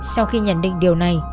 sau khi nhận định điều này